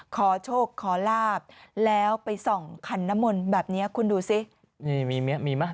ขอโชคขอลาบแล้วไปส่องขันนมลแบบเนี้ยคุณดูสินี่มีไหมมีไหม